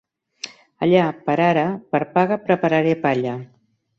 Allà, per ara, per paga prepararé palla.